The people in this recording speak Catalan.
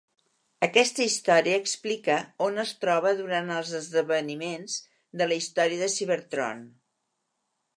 Aquesta història explica on es troba durant els esdeveniments de la història de "Cybertron".